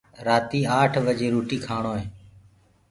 رآتي آٺ بجي روٽيٚ ڪآڻوئي